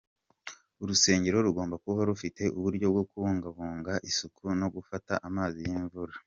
Urusengero rugomba kuba rufite uburyo bwo kubungabunga isuku no gufata amazi y'imvura.